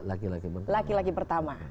atau laki laki pertama